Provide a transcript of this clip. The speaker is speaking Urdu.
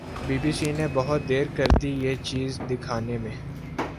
بی بی سی نے بہت دیر کردی یہ چیز دکھانے میں۔